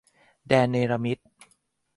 แดนเนรมิต